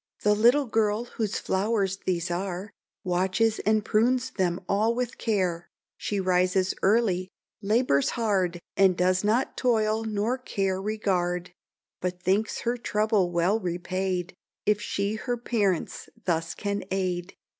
The little girl whose flowers these are, Watches and prunes them all with care; She rises early, labours hard, And does not toil nor care regard, But thinks her trouble well repaid, If she her parents thus can aid.